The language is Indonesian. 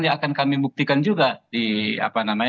ini akan kami buktikan juga di apa namanya